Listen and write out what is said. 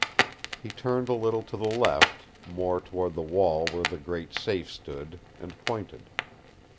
He turned a little to the left, more toward the wall where the great safe stood, and pointed.